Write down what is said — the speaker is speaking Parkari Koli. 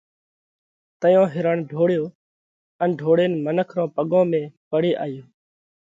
تئيون هرڻ ڍوڙيو ان ڍوڙينَ منک رون پڳون ۾ پڙي آيو۔